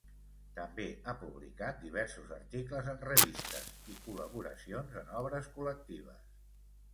També ha publicat diversos articles en revistes i col·laboracions en obres col·lectives.